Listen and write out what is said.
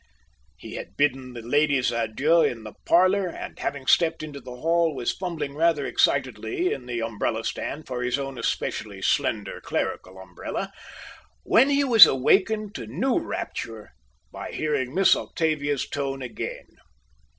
He had bidden the ladies adieu in the parlor, and, having stepped into the hall, was fumbling rather excitedly in the umbrella stand for his own especially slender clerical umbrella, when he was awakened to new rapture by hearing Miss Octavia's tone again.